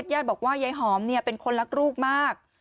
ญาติบอกว่ายายหอมเป็นคนรักลูกมาก